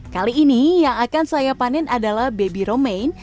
kali ini yang akan saya panen adalah baby romaine